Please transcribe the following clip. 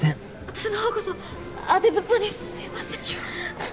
私のほうこそ当てずっぽうにすいません